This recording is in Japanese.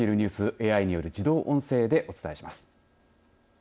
ＡＩによる自動音声でお伝えします。